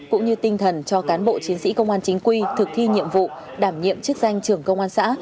cũng như tinh thần cho cán bộ chiến sĩ công an chính quy thực thi nhiệm vụ đảm nhiệm chức danh trưởng công an xã